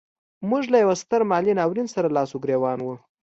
موږ له یوه ستر مالي ناورین سره لاس و ګرېوان وو.